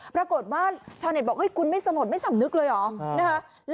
ปรากฏว่าชาวเน็ตบอกว่ากูไม่สนสนไม่สำนึกเลยหรอ